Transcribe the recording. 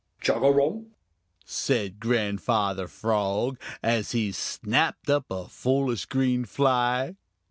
"Chugarum!" said Grandfather Frog, as he snapped up a foolish green fly.